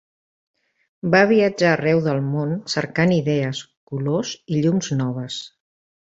Va viatjar arreu del món cercant idees, colors i llums noves.